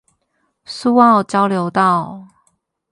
蘇澳交流道